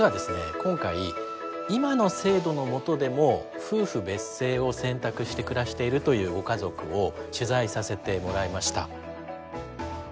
今回今の制度のもとでも夫婦別姓を選択して暮らしているというご家族を取材させてもらいました。